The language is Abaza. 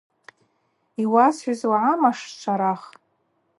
Йуасхӏвыз угӏама, Шварах.